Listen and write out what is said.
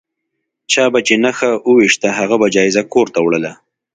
چا به چې نښه وویشته هغه به جایزه کور ته وړله.